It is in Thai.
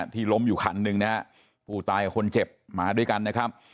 ล้มอยู่คันหนึ่งนะฮะผู้ตายกับคนเจ็บมาด้วยกันนะครับ